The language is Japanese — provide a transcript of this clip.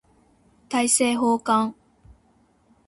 大政奉還